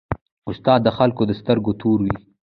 استاد د خلکو د سترګو تور وي.